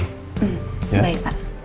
hmm baik pak